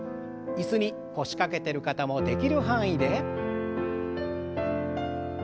椅子に腰掛けてる方もできる範囲で。